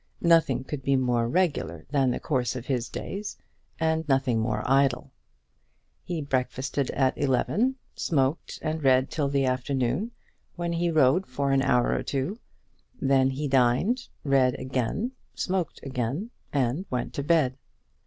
Nothing could be more regular than the course of his days, and nothing more idle. He breakfasted at eleven, smoked and read till the afternoon, when he rode for an hour or two; then he dined, read again, smoked again, and went to bed.